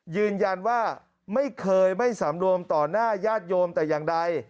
ยืนยันว่าไม่เคยไม่สำรวมต่อหน้าญาติโยมแต่อย่างใด